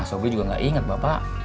sobi juga nggak ingat bapak